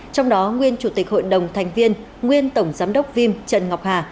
trong đó nguyên chủ tịch hội đồng thành viên nguyên tổng giám đốc vim trần ngọc hà